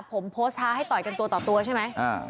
ผมโพสต์ช้าให้ต่อยกันตัวต่อตัวใช่ไหม